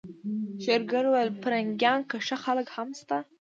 شېرګل وويل پرنګيانو کې ښه خلک هم شته.